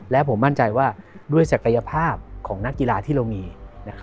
และผมมั่นใจว่าด้วยศักยภาพของนักกีฬาที่เรามี